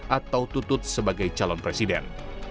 atau tutut sebagai calon presiden